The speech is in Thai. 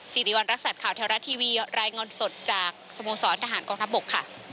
ซีรีวัลรักษณ์ข่าวแถวรัดทีวีรายงานสดจากสโมสรทหารกองทัพบก